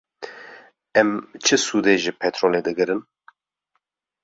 Em çi sûdê ji petrolê digirin?